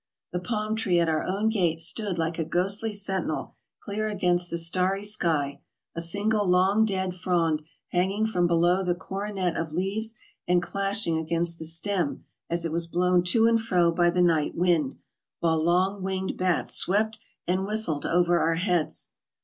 The palm tree at our own gate stood like a ghostly sentinel clear against the starry sky, a single long dead frond hanging from below the coronet of leaves and clashing against the stem as it was blown to and fro by the night wind, while long winged bats swept and whistled over our heads.